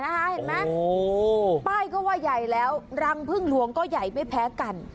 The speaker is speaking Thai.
เห็นไหมป้ายก็ว่าใหญ่แล้วรังพึ่งหลวงก็ใหญ่ไม่แพ้กัน